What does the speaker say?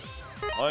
はい。